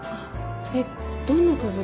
えっどんな続き？